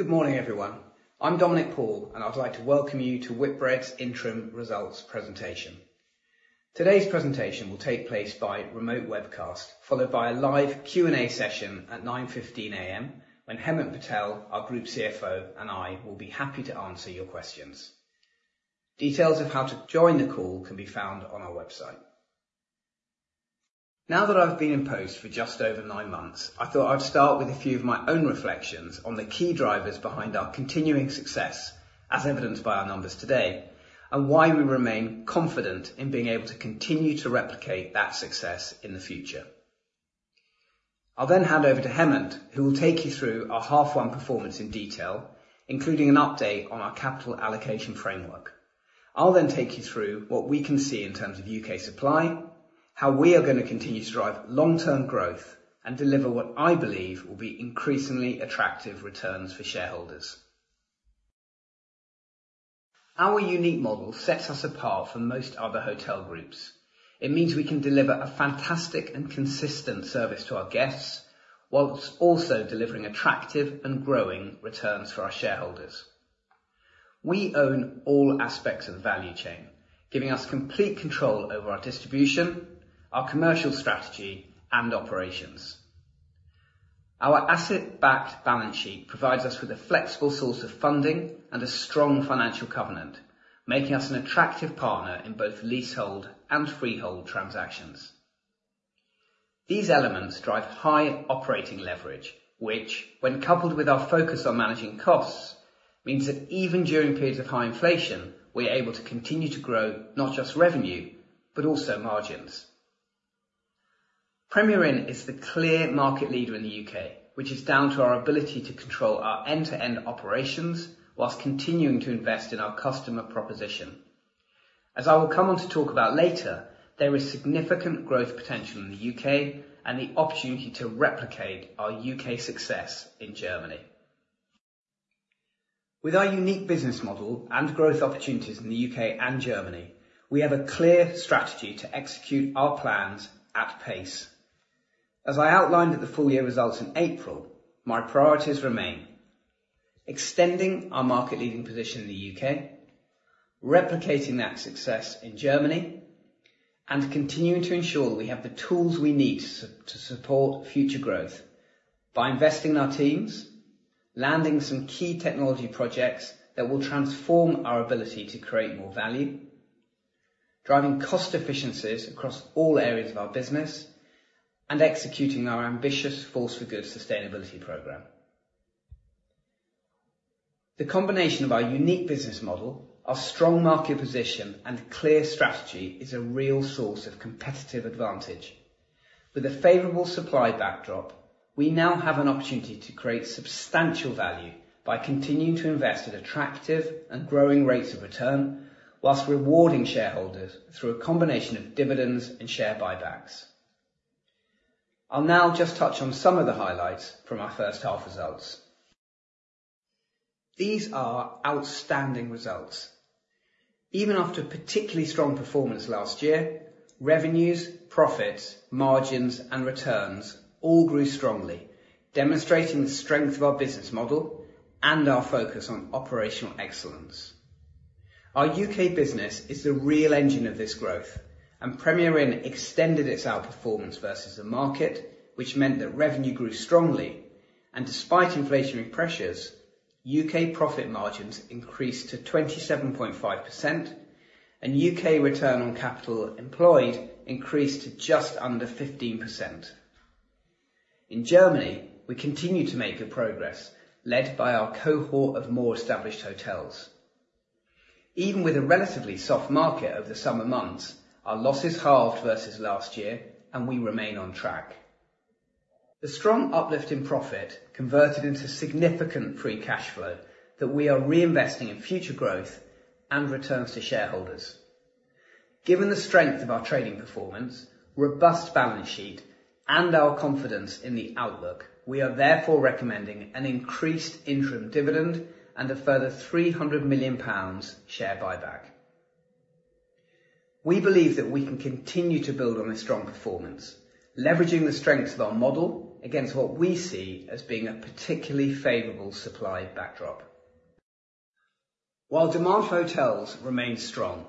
Good morning, everyone. I'm Dominic Paul, and I'd like to welcome you to Whitbread's interim results presentation. Today's presentation will take place by remote webcast, followed by a live Q&A session at 9:15 AM, when Hemant Patel, our Group CFO, and I will be happy to answer your questions. Details of how to join the call can be found on our website. Now that I've been in post for just over nine months, I thought I'd start with a few of my own reflections on the key drivers behind our continuing success, as evidenced by our numbers today, and why we remain confident in being able to continue to replicate that success in the future. I'll then hand over to Hemant, who will take you through our half one performance in detail, including an update on our capital allocation framework. I'll then take you through what we can see in terms of UK supply, how we are going to continue to drive long-term growth, and deliver what I believe will be increasingly attractive returns for shareholders. Our unique model sets us apart from most other hotel groups. It means we can deliver a fantastic and consistent service to our guests, whilst also delivering attractive and growing returns for our shareholders. We own all aspects of the value chain, giving us complete control over our distribution, our commercial strategy, and operations. Our asset-backed balance sheet provides us with a flexible source of funding and a strong financial covenant, making us an attractive partner in both leasehold and freehold transactions. These elements drive high operating leverage, which, when coupled with our focus on managing costs, means that even during periods of high inflation, we're able to continue to grow, not just revenue, but also margins. Premier Inn is the clear market leader in the U.K., which is down to our ability to control our end-to-end operations whilst continuing to invest in our customer proposition. As I will come on to talk about later, there is significant growth potential in the U.K. and the opportunity to replicate our U.K. success in Germany. With our unique business model and growth opportunities in the U.K. and Germany, we have a clear strategy to execute our plans at pace. As I outlined at the full year results in April, my priorities remain: extending our market-leading position in the U.K., replicating that success in Germany, and continuing to ensure we have the tools we need to support future growth by investing in our teams, landing some key technology projects that will transform our ability to create more value, driving cost efficiencies across all areas of our business, and executing our ambitious Force for Good sustainability program. The combination of our unique business model, our strong market position, and clear strategy is a real source of competitive advantage. With a favorable supply backdrop, we now have an opportunity to create substantial value by continuing to invest at attractive and growing rates of return, whilst rewarding shareholders through a combination of dividends and share buybacks. I'll now just touch on some of the highlights from our first half results. These are outstanding results. Even after particularly strong performance last year, revenues, profits, margins, and returns all grew strongly, demonstrating the strength of our business model and our focus on operational excellence. Our U.K. business is the real engine of this growth, and Premier Inn extended its outperformance versus the market, which meant that revenue grew strongly. Despite inflationary pressures, U.K. profit margins increased to 27.5%, and U.K. return on capital employed increased to just under 15%. In Germany, we continue to make good progress, led by our cohort of more established hotels. Even with a relatively soft market over the summer months, our losses halved versus last year, and we remain on track. The strong uplift in profit converted into significant free cash flow that we are reinvesting in future growth and returns to shareholders. Given the strength of our trading performance, robust balance sheet, and our confidence in the outlook, we are therefore recommending an increased interim dividend and a further 300 million pounds share buyback. We believe that we can continue to build on this strong performance, leveraging the strengths of our model against what we see as being a particularly favorable supply backdrop. While demand for hotels remains strong,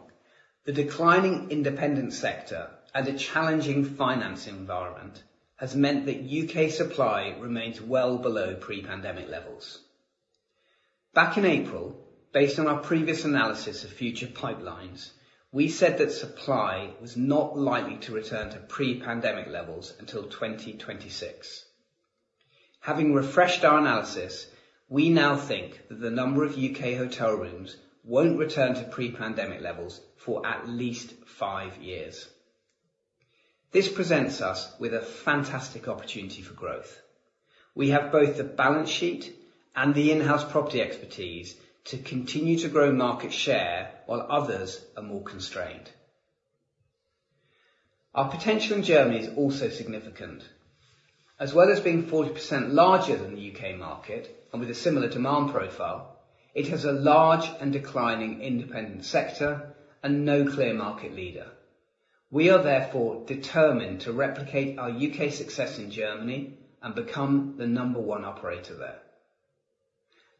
the declining independent sector and a challenging financing environment has meant that U.K. supply remains well below pre-pandemic levels. Back in April, based on our previous analysis of future pipelines, we said that supply was not likely to return to pre-pandemic levels until 2026. Having refreshed our analysis, we now think that the number of U.K. hotel rooms won't return to pre-pandemic levels for at least five years. This presents us with a fantastic opportunity for growth. We have both the balance sheet and the in-house property expertise to continue to grow market share, while others are more constrained. Our potential in Germany is also significant. As well as being 40% larger than the U.K. market and with a similar demand profile, it has a large and declining independent sector and no clear market leader. We are therefore determined to replicate our U.K. success in Germany and become the number one operator there.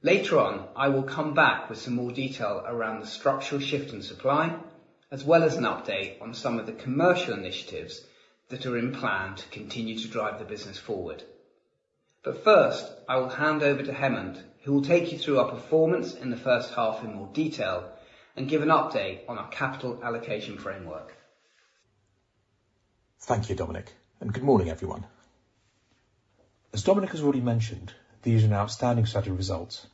Later on, I will come back with some more detail around the structural shift in supply, as well as an update on some of the commercial initiatives that are in plan to continue to drive the business forward. But first, I will hand over to Hemant, who will take you through our performance in the first half in more detail and give an update on our capital allocation framework. Thank you, Dominic, and good morning, everyone. As Dominic has already mentioned, these are outstanding set of results.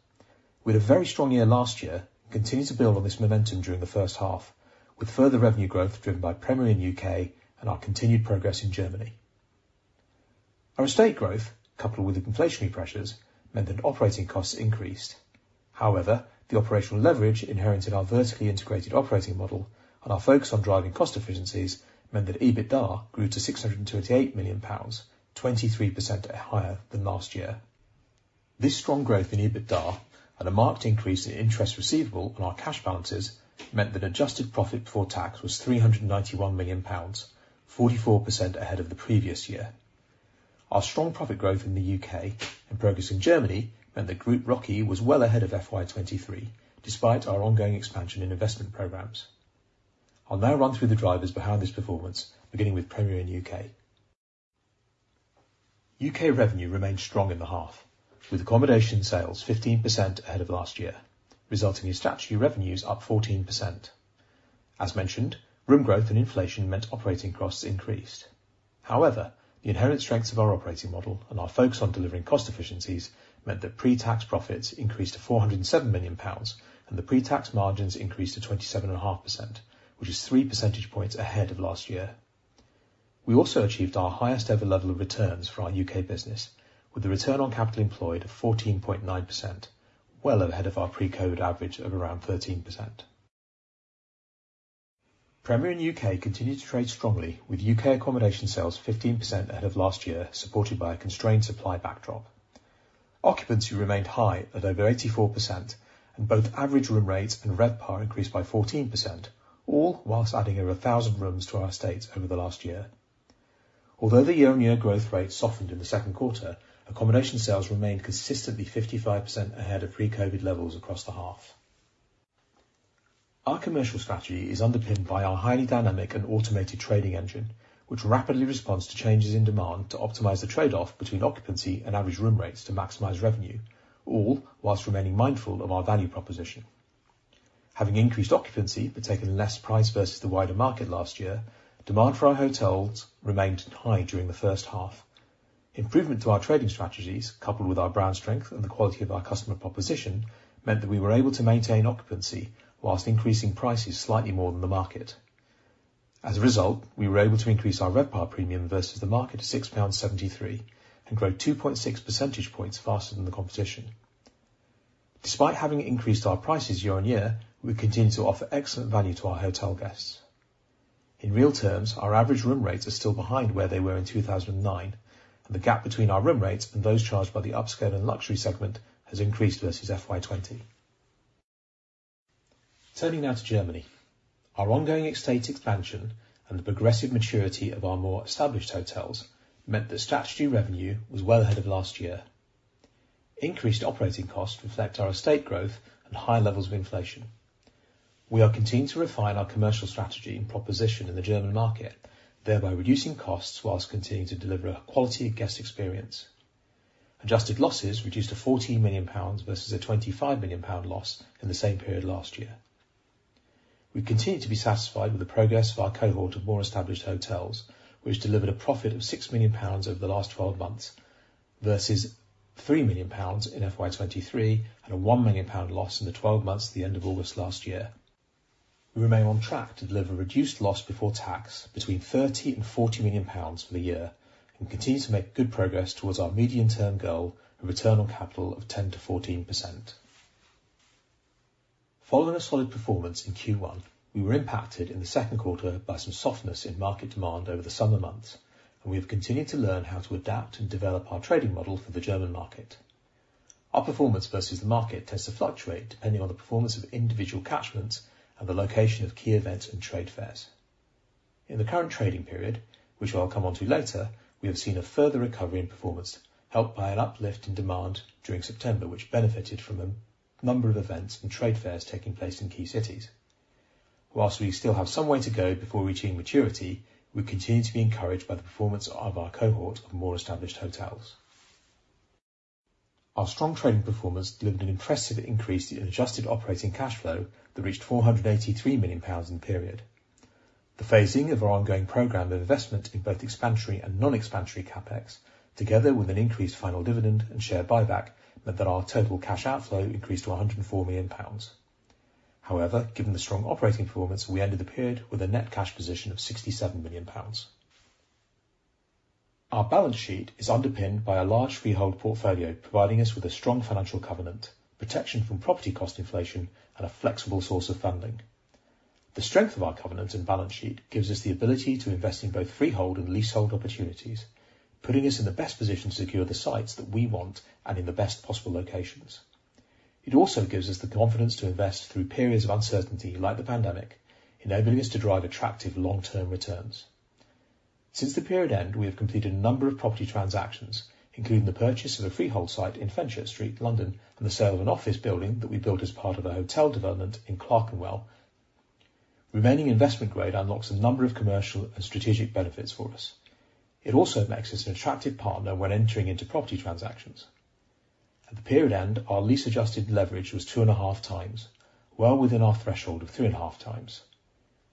We had a very strong year last year, continued to build on this momentum during the first half, with further revenue growth driven by Premier Inn U.K. and our continued progress in Germany. Our estate growth, coupled with the inflationary pressures, meant that operating costs increased. However, the operational leverage inherent in our vertically integrated operating model and our focus on driving cost efficiencies meant that EBITDA grew to 638 million pounds, 23% higher than last year. This strong growth in EBITDA and a marked increase in interest receivable on our cash balances meant that adjusted profit before tax was 391 million pounds, 44% ahead of the previous year. Our strong profit growth in the U.K. and progress in Germany meant that Group ROCE was well ahead of FY 2023, despite our ongoing expansion in investment programs. I'll now run through the drivers behind this performance, beginning with Premier Inn U.K. U.K. revenue remained strong in the half, with accommodation sales 15% ahead of last year, resulting in statutory revenues up 14%. As mentioned, room growth and inflation meant operating costs increased. However, the inherent strengths of our operating model and our focus on delivering cost efficiencies meant that pre-tax profits increased to 407 million pounds, and the pre-tax margins increased to 27.5%, which is three percentage points ahead of last year. We also achieved our highest ever level of returns for our U.K. business, with a return on capital employed of 14.9%, well ahead of our pre-COVID average of around 13%. Premier Inn U.K. continued to trade strongly, with U.K. accommodation sales 15% ahead of last year, supported by a constrained supply backdrop. Occupancy remained high at over 84%, and both average room rates and RevPAR increased by 14%, all whilst adding over 1,000 rooms to our estates over the last year. Although the year-on-year growth rate softened in the second quarter, accommodation sales remained consistently 55% ahead of pre-COVID levels across the half. Our commercial strategy is underpinned by our highly dynamic and automated trading engine, which rapidly responds to changes in demand to optimize the trade-off between occupancy and average room rates to maximize revenue, all whilst remaining mindful of our value proposition. Having increased occupancy but taking less price versus the wider market last year, demand for our hotels remained high during the first half. Improvement to our trading strategies, coupled with our brand strength and the quality of our customer proposition, meant that we were able to maintain occupancy whilst increasing prices slightly more than the market. As a result, we were able to increase our RevPAR premium versus the market to 6.73 pounds and grow 2.6 percentage points faster than the competition. Despite having increased our prices year-on-year, we continue to offer excellent value to our hotel guests. In real terms, our average room rates are still behind where they were in 2009, and the gap between our room rates and those charged by the upscale and luxury segment has increased versus FY 2020. Turning now to Germany. Our ongoing estate expansion and the progressive maturity of our more established hotels meant that statutory revenue was well ahead of last year. Increased operating costs reflect our estate growth and high levels of inflation. We are continuing to refine our commercial strategy and proposition in the German market, thereby reducing costs while continuing to deliver a quality guest experience. Adjusted losses reduced to 14 million pounds versus a 25 million pound loss in the same period last year. We continue to be satisfied with the progress of our cohort of more established hotels, which delivered a profit of 6 million pounds over the last 12 months, versus 3 million pounds in FY 2023 and a 1 million pound loss in the 12 months at the end of August last year. We remain on track to deliver reduced loss before tax between 30 million and 40 million pounds for the year, and continue to make good progress towards our medium-term goal, a return on capital of 10% to 14%. Following a solid performance in Q1, we were impacted in the second quarter by some softness in market demand over the summer months, and we have continued to learn how to adapt and develop our trading model for the German market. Our performance versus the market tends to fluctuate, depending on the performance of individual catchments and the location of key events and trade fairs. In the current trading period, which I'll come on to later, we have seen a further recovery in performance, helped by an uplift in demand during September, which benefited from a number of events and trade fairs taking place in key cities. While we still have some way to go before reaching maturity, we continue to be encouraged by the performance of our cohort of more established hotels. Our strong trading performance delivered an impressive increase in adjusted operating cash flow that reached 483 million pounds in the period. The phasing of our ongoing program of investment in both expansionary and non-expansionary CapEx, together with an increased final dividend and share buyback, meant that our total cash outflow increased to 104 million pounds. However, given the strong operating performance, we ended the period with a net cash position of 67 million pounds. Our balance sheet is underpinned by a large freehold portfolio, providing us with a strong financial covenant, protection from property cost inflation, and a flexible source of funding. The strength of our covenant and balance sheet gives us the ability to invest in both freehold and leasehold opportunities, putting us in the best position to secure the sites that we want and in the best possible locations. It also gives us the confidence to invest through periods of uncertainty, like the pandemic, enabling us to drive attractive long-term returns. Since the period end, we have completed a number of property transactions, including the purchase of a freehold site in Fenchurch Street, London, and the sale of an office building that we built as part of a hotel development in Clerkenwell. Remaining Investment Grade unlocks a number of commercial and strategic benefits for us. It also makes us an attractive partner when entering into property transactions. At the period end, our Lease-Adjusted Leverage was 2.5x, well within our threshold of 3.5x.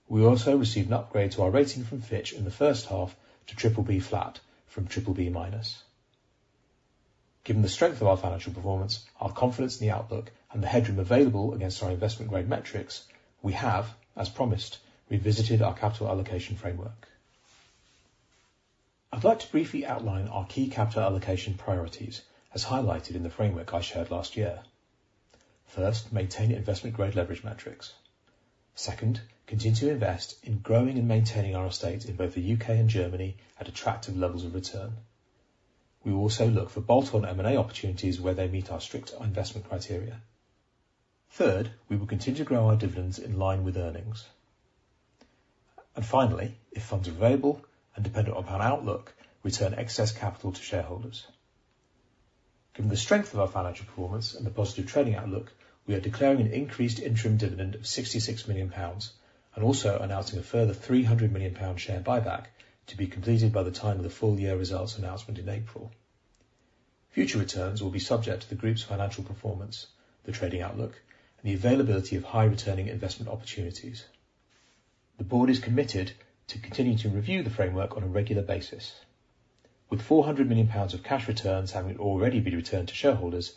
We also received an upgrade to our rating from Fitch in the first half to BBB flat from BBB-. Given the strength of our financial performance, our confidence in the outlook, and the headroom available against our Investment Grade metrics, we have, as promised, revisited our capital allocation framework. I'd like to briefly outline our key capital allocation priorities, as highlighted in the framework I shared last year. First, maintain Investment Grade leverage metrics. Second, continue to invest in growing and maintaining our estate in both the UK and Germany at attractive levels of return. We will also look for bolt-on M&A opportunities where they meet our strict investment criteria. Third, we will continue to grow our dividends in line with earnings. And finally, if funds are available, and dependent upon outlook, return excess capital to shareholders. Given the strength of our financial performance and the positive trading outlook, we are declaring an increased interim dividend of 66 million pounds, and also announcing a further 300 million pound share buyback to be completed by the time of the full-year results announcement in April. Future returns will be subject to the group's financial performance, the trading outlook, and the availability of high-returning investment opportunities. The board is committed to continuing to review the framework on a regular basis. With 400 million pounds of cash returns having already been returned to shareholders,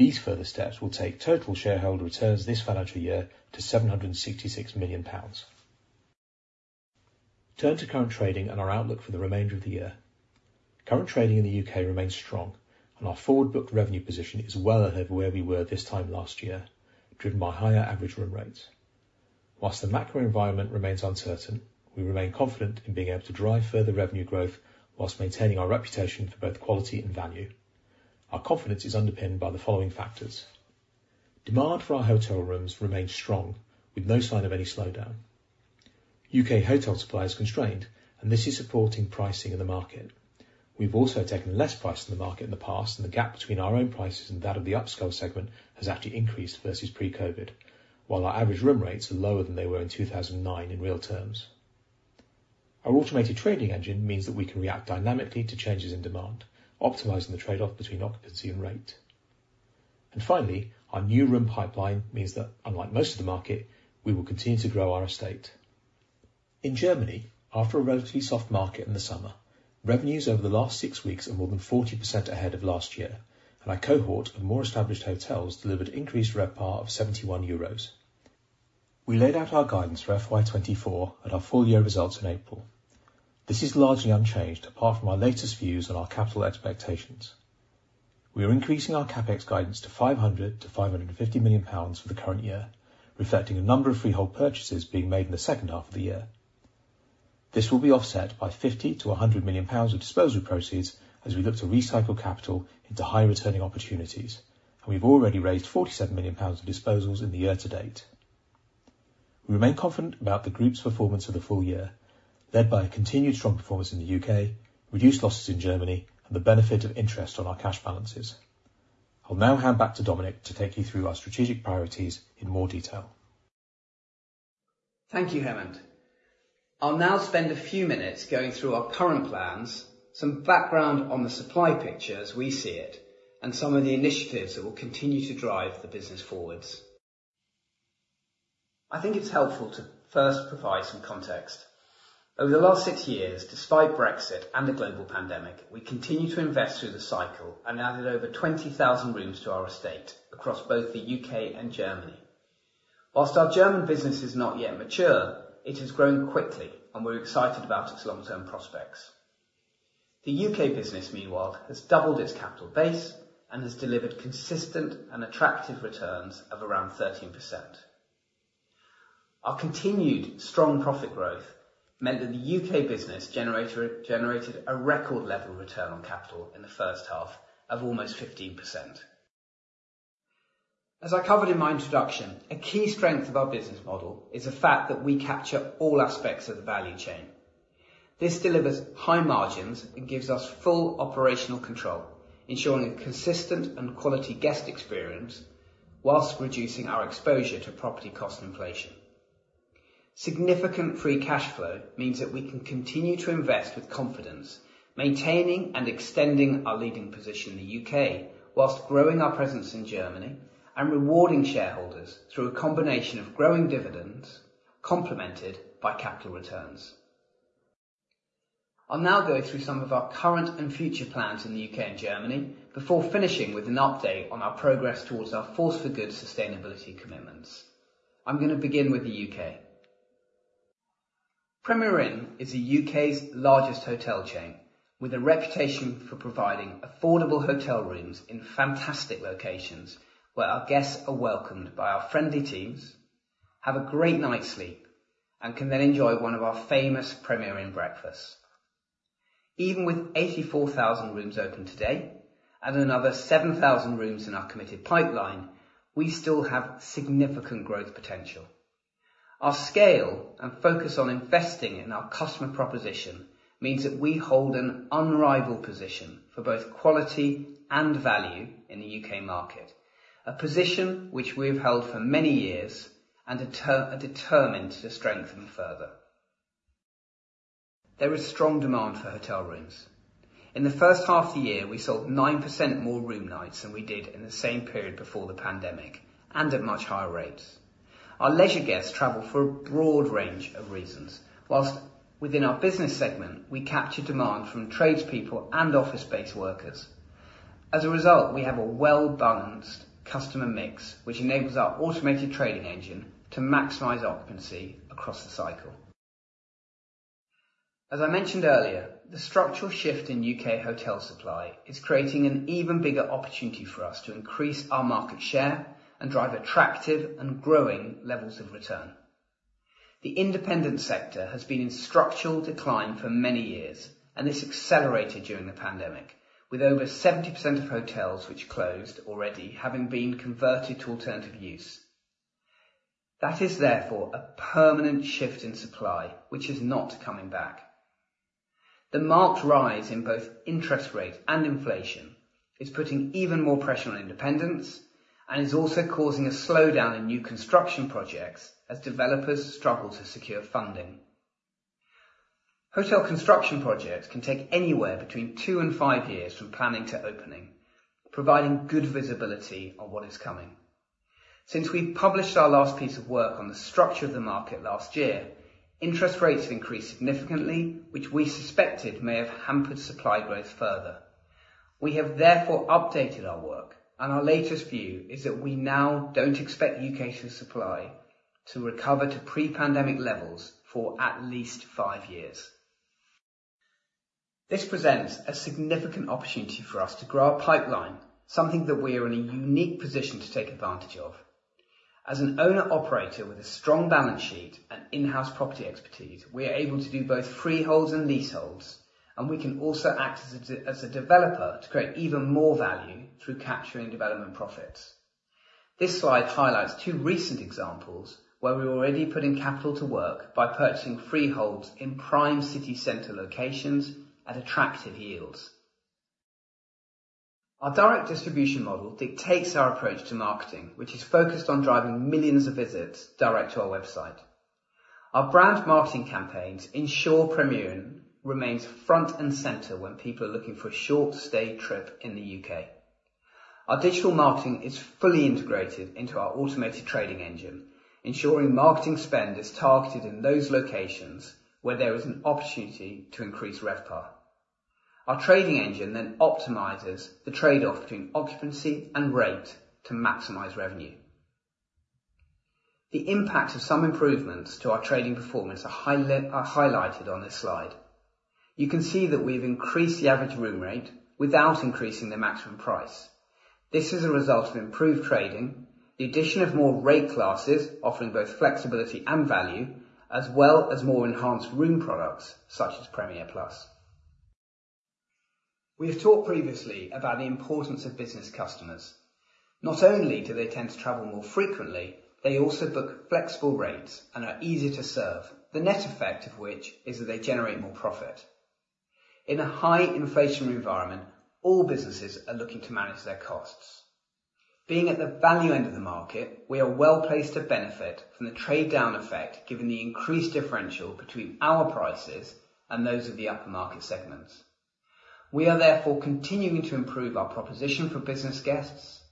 these further steps will take total shareholder returns this financial year to 766 million pounds. Turn to current trading and our outlook for the remainder of the year. Current trading in the U.K. remains strong, and our forward-booked revenue position is well ahead of where we were this time last year, driven by higher average room rates. Whilst the macro environment remains uncertain, we remain confident in being able to drive further revenue growth whilst maintaining our reputation for both quality and value. Our confidence is underpinned by the following factors: Demand for our hotel rooms remains strong, with no sign of any slowdown. U.K. hotel supply is constrained, and this is supporting pricing in the market. We've also taken less price in the market in the past, and the gap between our own prices and that of the upscale segment has actually increased versus pre-COVID, while our average room rates are lower than they were in 2009 in real terms. Our automated trading engine means that we can react dynamically to changes in demand, optimizing the trade-off between occupancy and rate. And finally, our new room pipeline means that, unlike most of the market, we will continue to grow our estate. In Germany, after a relatively soft market in the summer, revenues over the last six weeks are more than 40% ahead of last year, and our cohort of more established hotels delivered increased RevPAR of 71 euros. We laid out our guidance for FY 2024 at our full-year results in April. This is largely unchanged, apart from our latest views on our capital expectations. We are increasing our CapEx guidance to 500 million-550 million pounds for the current year, reflecting a number of freehold purchases being made in the second half of the year. This will be offset by 50 million to 100 million pounds of disposal proceeds as we look to recycle capital into high-returning opportunities, and we've already raised 47 million pounds of disposals in the year to date. We remain confident about the group's performance of the full year, led by a continued strong performance in the U.K., reduced losses in Germany, and the benefit of interest on our cash balances. I'll now hand back to Dominic to take you through our strategic priorities in more detail. Thank you, Hemant. I'll now spend a few minutes going through our current plans, some background on the supply picture as we see it, and some of the initiatives that will continue to drive the business forward. I think it's helpful to first provide some context. Over the last six years, despite Brexit and the global pandemic, we continued to invest through the cycle and added over 20,000 rooms to our estate across both the U.K. and Germany. While our German business is not yet mature, it is growing quickly, and we're excited about its long-term prospects. The U.K. business, meanwhile, has doubled its capital base and has delivered consistent and attractive returns of around 13%. Our continued strong profit growth meant that the U.K. business generated a record level return on capital in the first half of almost 15%. As I covered in my introduction, a key strength of our business model is the fact that we capture all aspects of the value chain. This delivers high margins and gives us full operational control, ensuring a consistent and quality guest experience whilst reducing our exposure to property cost and inflation. Significant free cash flow means that we can continue to invest with confidence, maintaining and extending our leading position in the U.K., whilst growing our presence in Germany and rewarding shareholders through a combination of growing dividends, complemented by capital returns. I'll now go through some of our current and future plans in the U.K. and Germany before finishing with an update on our progress towards our Force for Good sustainability commitments. I'm going to begin with the U.K. Premier Inn is the U.K.'s largest hotel chain, with a reputation for providing affordable hotel rooms in fantastic locations where our guests are welcomed by our friendly teams, have a great night's sleep, and can then enjoy one of our famous Premier Inn breakfasts. Even with 84,000 rooms open today and another 7,000 rooms in our committed pipeline, we still have significant growth potential. Our scale and focus on investing in our customer proposition means that we hold an unrivaled position for both quality and value in the U.K. market, a position which we have held for many years and are determined to strengthen further. There is strong demand for hotel rooms. In the first half of the year, we sold 9% more room nights than we did in the same period before the pandemic, and at much higher rates. Our leisure guests travel for a broad range of reasons, while within our business segment, we capture demand from tradespeople and office-based workers. As a result, we have a well-balanced customer mix, which enables our automated trading engine to maximize occupancy across the cycle. As I mentioned earlier, the structural shift in U.K. hotel supply is creating an even bigger opportunity for us to increase our market share and drive attractive and growing levels of return. The independent sector has been in structural decline for many years, and this accelerated during the pandemic, with over 70% of hotels which closed already having been converted to alternative use. That is therefore a permanent shift in supply, which is not coming back. The marked rise in both interest rates and inflation is putting even more pressure on independents and is also causing a slowdown in new construction projects as developers struggle to secure funding. Hotel construction projects can take anywhere between two and five years from planning to opening, providing good visibility on what is coming. Since we published our last piece of work on the structure of the market last year, interest rates have increased significantly, which we suspected may have hampered supply growth further. We have therefore updated our work, and our latest view is that we now don't expect U.K. hotel supply to recover to pre-pandemic levels for at least five years. This presents a significant opportunity for us to grow our pipeline, something that we are in a unique position to take advantage of. As an owner-operator with a strong balance sheet and in-house property expertise, we are able to do both freeholds and leaseholds, and we can also act as a developer to create even more value through capturing development profits. This slide highlights two recent examples where we're already putting capital to work by purchasing freeholds in prime city center locations at attractive yields. Our direct distribution model dictates our approach to marketing, which is focused on driving millions of visits direct to our website. Our brand marketing campaigns ensure Premier Inn remains front and center when people are looking for a short stay trip in the U.K. Our digital marketing is fully integrated into our automated trading engine, ensuring marketing spend is targeted in those locations where there is an opportunity to increase RevPAR. Our trading engine then optimizes the trade-off between occupancy and rate to maximize revenue. The impact of some improvements to our trading performance are highlighted on this slide. You can see that we've increased the average room rate without increasing the maximum price. This is a result of improved trading, the addition of more rate classes, offering both flexibility and value, as well as more enhanced room products such as Premier Plus. We have talked previously about the importance of business customers. Not only do they tend to travel more frequently, they also book flexible rates and are easier to serve, the net effect of which is that they generate more profit. In a high inflation environment, all businesses are looking to manage their costs. Being at the value end of the market, we are well placed to benefit from the trade-down effect, given the increased differential between our prices and those of the upper market segments. We are therefore continuing to improve our proposition for business guests,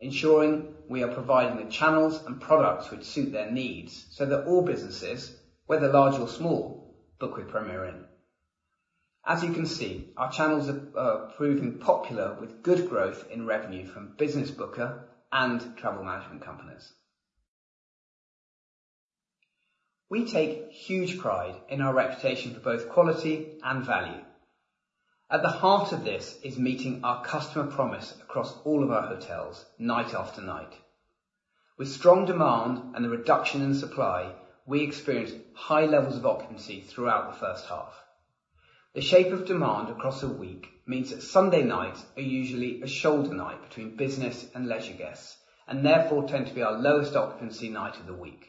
ensuring we are providing the channels and products which suit their needs, so that all businesses, whether large or small, book with Premier Inn. As you can see, our channels are proving popular with good growth in revenue from Business Booker and travel management companies. We take huge pride in our reputation for both quality and value. At the heart of this is meeting our customer promise across all of our hotels night after night. With strong demand and a reduction in supply, we experienced high levels of occupancy throughout the first half. The shape of demand across a week means that Sunday nights are usually a shoulder night between business and leisure guests, and therefore tend to be our lowest occupancy night of the week.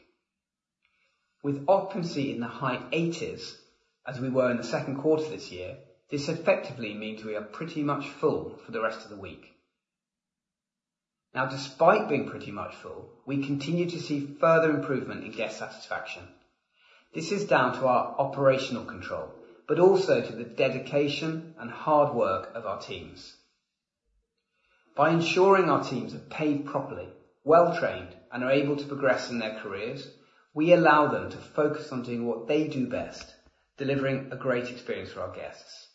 With occupancy in the high 80s, as we were in the second quarter this year, this effectively means we are pretty much full for the rest of the week. Now, despite being pretty much full, we continue to see further improvement in guest satisfaction. This is down to our operational control, but also to the dedication and hard work of our teams. By ensuring our teams are paid properly, well-trained, and are able to progress in their careers, we allow them to focus on doing what they do best, delivering a great experience for our guests.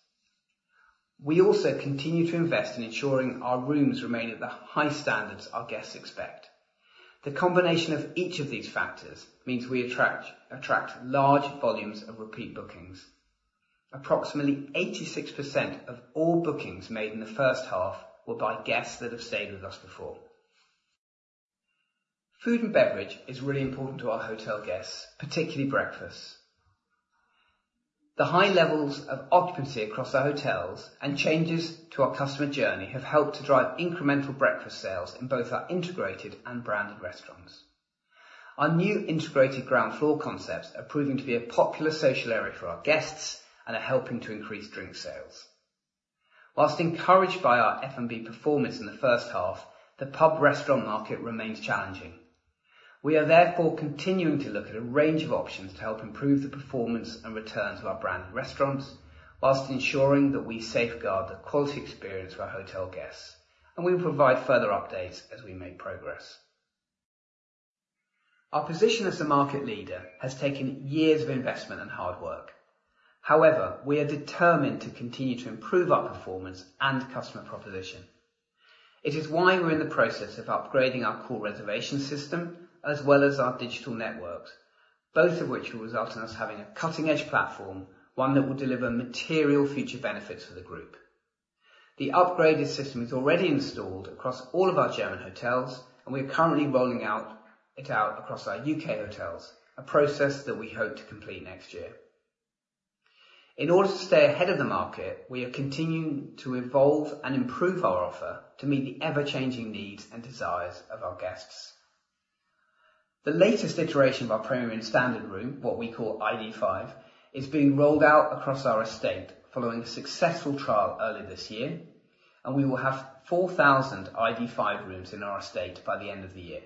We also continue to invest in ensuring our rooms remain at the high standards our guests expect. The combination of each of these factors means we attract large volumes of repeat bookings. Approximately 86% of all bookings made in the first half were by guests that have stayed with us before. Food and beverage is really important to our hotel guests, particularly breakfast. The high levels of occupancy across our hotels and changes to our customer journey have helped to drive incremental breakfast sales in both our integrated and branded restaurants. Our new integrated ground floor concepts are proving to be a popular social area for our guests and are helping to increase drink sales. While encouraged by our F&B performance in the first half, the pub restaurant market remains challenging. We are therefore continuing to look at a range of options to help improve the performance and return to our brand restaurants, while ensuring that we safeguard the quality experience for our hotel guests, and we will provide further updates as we make progress. Our position as the market leader has taken years of investment and hard work. However, we are determined to continue to improve our performance and customer proposition. It is why we're in the process of upgrading our core reservation system, as well as our digital networks, both of which will result in us having a cutting-edge platform, one that will deliver material future benefits for the group. The upgraded system is already installed across all of our German hotels, and we are currently rolling it out across our U.K. hotels, a process that we hope to complete next year. In order to stay ahead of the market, we are continuing to evolve and improve our offer to meet the ever-changing needs and desires of our guests. The latest iteration of our Premier Inn standard room, what we call ID5, is being rolled out across our estate following a successful trial earlier this year, and we will have 4,000 ID5 rooms in our estate by the end of the year.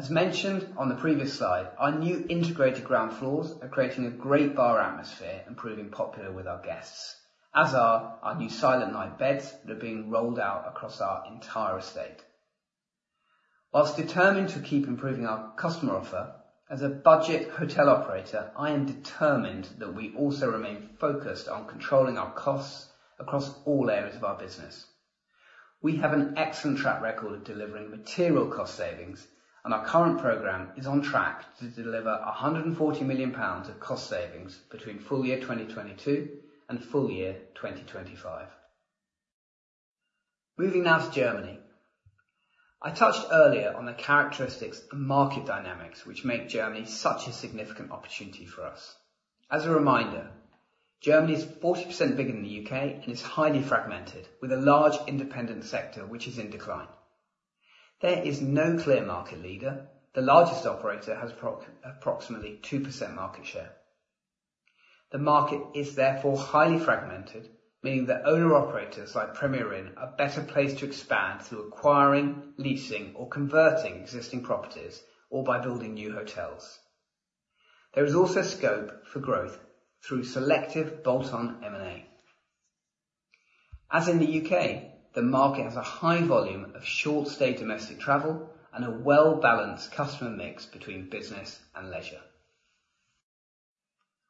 As mentioned on the previous slide, our new integrated ground floors are creating a great bar atmosphere and proving popular with our guests, as are our new Silentnight beds that are being rolled out across our entire estate. While determined to keep improving our customer offer, as a budget hotel operator, I am determined that we also remain focused on controlling our costs across all areas of our business. We have an excellent track record of delivering material cost savings, and our current program is on track to deliver 140 million pounds of cost savings between full-year 2022 and full-year 2025. Moving now to Germany. I touched earlier on the characteristics and market dynamics, which make Germany such a significant opportunity for us. As a reminder, Germany is 40% bigger than the U.K. and is highly fragmented, with a large independent sector which is in decline. There is no clear market leader. The largest operator has approximately 2% market share. The market is therefore highly fragmented, meaning that owner-operators like Premier Inn are better placed to expand through acquiring, leasing or converting existing properties, or by building new hotels. There is also scope for growth through selective bolt-on M&A. As in the U.K., the market has a high volume of short-stay domestic travel and a well-balanced customer mix between business and leisure.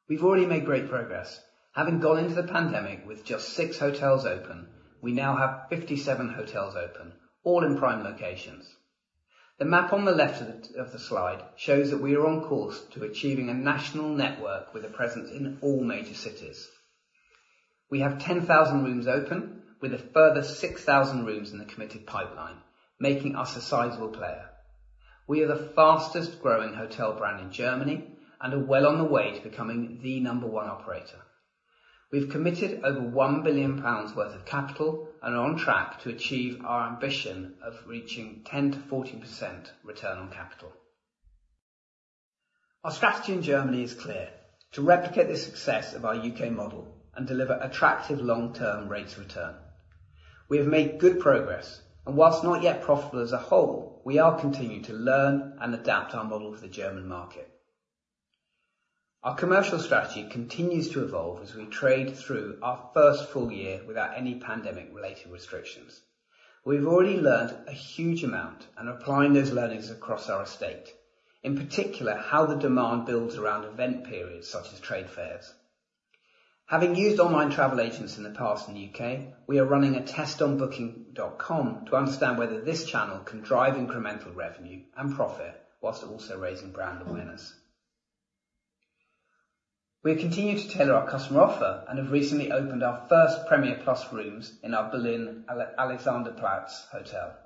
We've already made great progress. Having gone into the pandemic with just six hotels open, we now have 57 hotels open, all in prime locations. The map on the left of the slide shows that we are on course to achieving a national network with a presence in all major cities. We have 10,000 rooms open, with a further 6,000 rooms in the committed pipeline, making us a sizable player. We are the fastest growing hotel brand in Germany and are well on the way to becoming the number one operator. We've committed over 1 billion pounds worth of capital and are on track to achieve our ambition of reaching 10% to 14% return on capital. Our strategy in Germany is clear: to replicate the success of our U.K. model and deliver attractive long-term rates of return. We have made good progress, and while not yet profitable as a whole, we are continuing to learn and adapt our model to the German market. Our commercial strategy continues to evolve as we trade through our first full-year without any pandemic-related restrictions. We've already learned a huge amount and are applying those learnings across our estate, in particular, how the demand builds around event periods such as trade fairs. Having used online travel agents in the past in the U.K., we are running a test on Booking.com to understand whether this channel can drive incremental revenue and profit while also raising brand awareness. We have continued to tailor our customer offer and have recently opened our first Premier Plus rooms in our Berlin Alexanderplatz Hotel.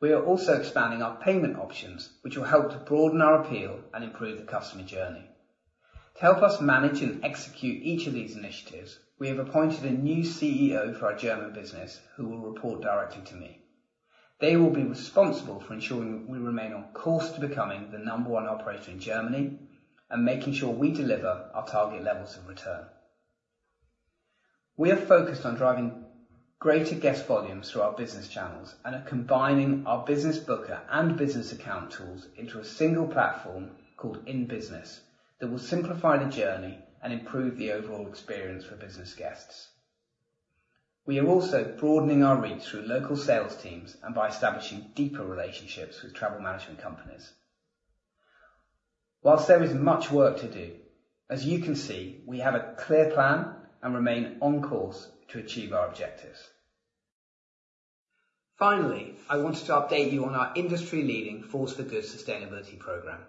We are also expanding our payment options, which will help to broaden our appeal and improve the customer journey. To help us manage and execute each of these initiatives, we have appointed a new CEO for our German business, who will report directly to me. They will be responsible for ensuring we remain on course to becoming the number one operator in Germany and making sure we deliver our target levels of return. We are focused on driving greater guest volumes through our business channels and are combining our Business Booker and Business Account tools into a single platform called Inn Business, that will simplify the journey and improve the overall experience for business guests. We are also broadening our reach through local sales teams and by establishing deeper relationships with travel management companies. While there is much work to do, as you can see, we have a clear plan and remain on course to achieve our objectives. Finally, I wanted to update you on our industry-leading Force for Good sustainability program.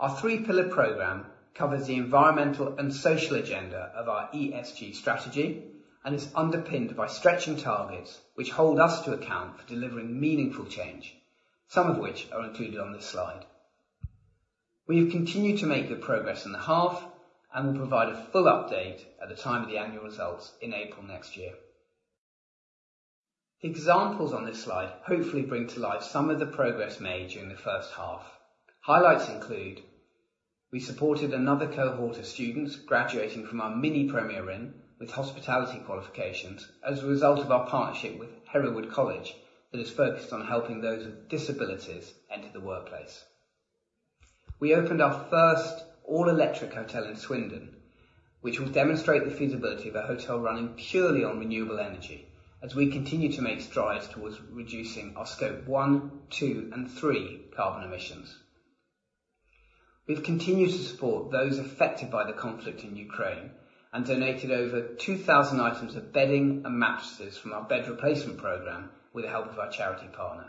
Our three-pillar program covers the environmental and social agenda of our ESG strategy and is underpinned by stretching targets, which hold us to account for delivering meaningful change, some of which are included on this slide. We have continued to make good progress in the half and will provide a full update at the time of the annual results in April next year. The examples on this slide hopefully bring to light some of the progress made during the first half. Highlights include: We supported another cohort of students graduating from our Mini Premier Inn with hospitality qualifications as a result of our partnership with Hereward College that is focused on helping those with disabilities enter the workplace. We opened our first all-electric hotel in Swindon, which will demonstrate the feasibility of a hotel running purely on renewable energy as we continue to make strides towards reducing our Scope 1, 2, and 3 carbon emissions. We have continued to support those affected by the conflict in Ukraine and donated over 2,000 items of bedding and mattresses from our bed replacement program with the help of our charity partner.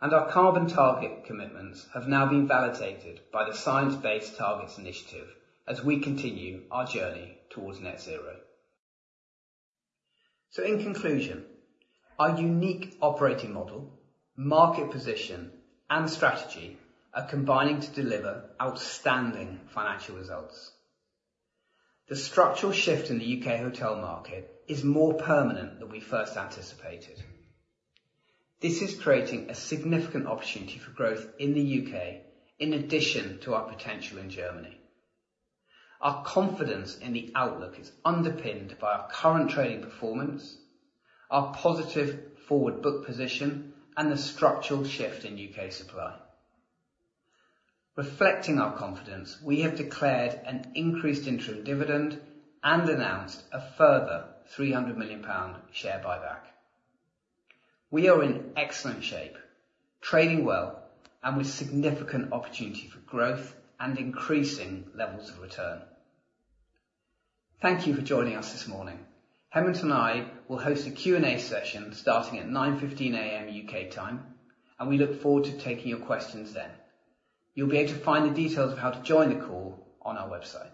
Our carbon target commitments have now been validated by the Science Based Targets initiative as we continue our journey towards net zero. In conclusion, our unique operating model, market position, and strategy are combining to deliver outstanding financial results. The structural shift in the U.K. hotel market is more permanent than we first anticipated. This is creating a significant opportunity for growth in the U.K. in addition to our potential in Germany. Our confidence in the outlook is underpinned by our current trading performance, our positive forward book position, and the structural shift in U.K. supply. Reflecting our confidence, we have declared an increased interim dividend and announced a further 300 million pound share buyback. We are in excellent shape, trading well, and with significant opportunity for growth and increasing levels of return. Thank you for joining us this morning. Hemant and I will host a Q&A session starting at 9:15 AM. U.K. time, and we look forward to taking your questions then. You'll be able to find the details of how to join the call on our website.